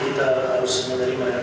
jangan saja kita mau selesai